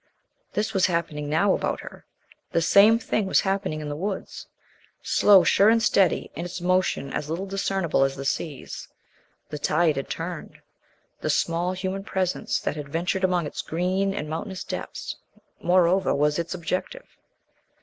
This was happening now about her the same thing was happening in the woods slow, sure, and steady, and its motion as little discernible as the sea's. The tide had turned. The small human presence that had ventured among its green and mountainous depths, moreover, was its objective.